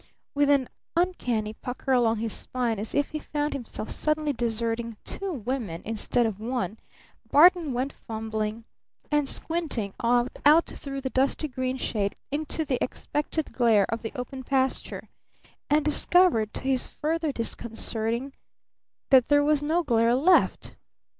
With an uncanny pucker along his spine as if he found himself suddenly deserting two women instead of one, Barton went fumbling and squinting out through the dusty green shade into the expected glare of the open pasture, and discovered, to his further disconcerting, that there was no glare left.